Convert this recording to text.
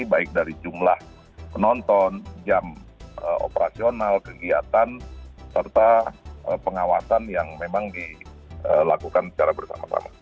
baik dari jumlah penonton jam operasional kegiatan serta pengawasan yang memang dilakukan secara bersama sama